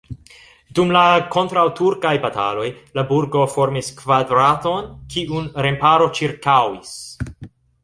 Dum la kontraŭturkaj bataloj la burgo formis kvadraton, kiun remparo ĉirkaŭis.